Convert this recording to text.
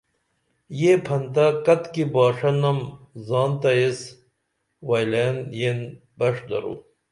یہ پھنتہ کتِکی باݜہ نم زان تہ ایس ویئلین ین بݜ درو